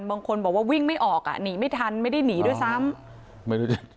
บางคนบอกว่าวิ่งไม่ออกหนีไม่ทันไม่ได้หนีด้วยซ้ำ